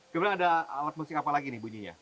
kemudian ada alat musik apa lagi nih bunyinya